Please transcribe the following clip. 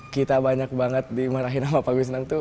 kita banyak banget dimarahin sama pak gus nang